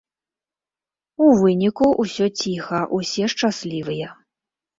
У выніку ўсё ціха, усе шчаслівыя.